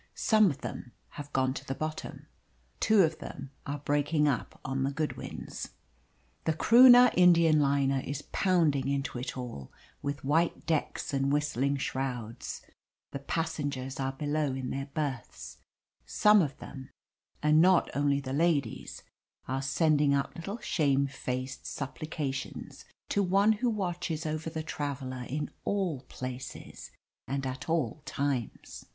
Some of them have gone to the bottom. Two of them are breaking up on the Goodwins. The Croonah Indian liner is pounding into it all, with white decks and whistling shrouds. The passengers are below in their berths. Some of them and not only the ladies are sending up little shamefaced supplications to One who watches over the traveller in all places and at all times.